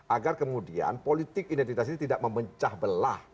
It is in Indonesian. agar kemudian politik identitas ini tidak memecah belah